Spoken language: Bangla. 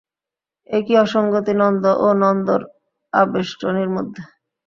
একি অসঙ্গতি নন্দ ও নন্দর আবেষ্টনীর মধ্যে?